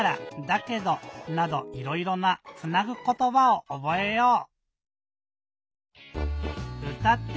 「だけど」などいろいろな「つなぐことば」をおぼえよう！